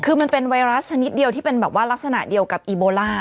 คือมันเป็นไวรัสชนิดเดียวที่เป็นแบบว่ารักษณะเดียวกับอีโบล่า